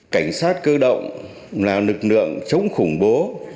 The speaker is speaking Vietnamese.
cảnh sát cơ động là lực lượng chống khủng bố